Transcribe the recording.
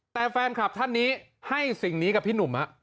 แต่แฟนคลับท่านนี้ให้สิ่งนี้กับพี่หนุ่ม